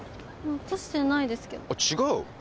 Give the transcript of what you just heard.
落としてないですけどあっ違う？